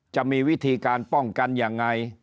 จะมีวิธีการป้องกันยังไง